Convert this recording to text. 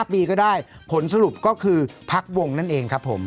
ปีก็ได้ผลสรุปก็คือพักวงนั่นเองครับผม